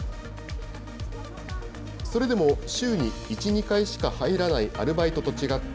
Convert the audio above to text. それでも、週に１、２回しか入らないアルバイトと違って、